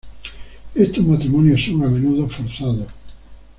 Estos matrimonios son a menudo forzados.